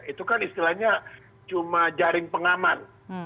itu kan istilahnya cuma jaring pengaman